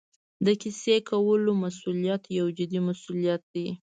د کیسې کولو مسوولیت یو جدي مسوولیت دی.